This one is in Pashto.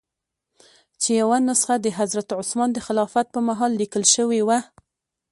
چې یوه نسخه د حضرت عثمان د خلافت په مهال لیکل شوې وه.